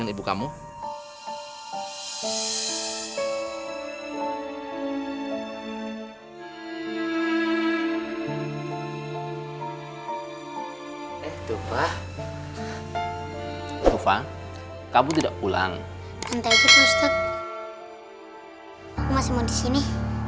cukup ini tadi